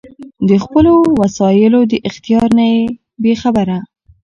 د خپلــــــو وسائیلـــــــو د اختیار نه بې خبره